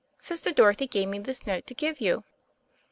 Sister Dorothy gave me this note to give you."